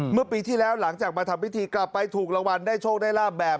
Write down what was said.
เมื่อปีที่แล้วหลังจากมาทำพิธีกลับไปถูกรางวัลได้โชคได้ลาบแบบ